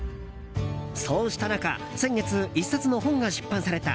そうした中先月１冊の本が出版された。